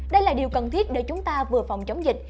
đây là điều cần thiết để chúng ta vừa phòng chống dịch